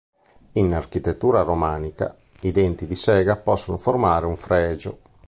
In architettura romanica, i denti di sega possono formare un fregio.